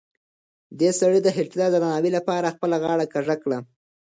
دې سړي د هېټلر د درناوي لپاره خپله غاړه کږه کړه.